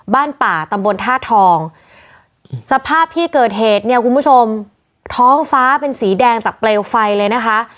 บ้านป่าตำบลท่าทองสภาพที่เกิดเหตุเนี่ยคุณผู้ชมท้องฟ้าเป็นสีแดงจากเปลวไฟเลยนะคะ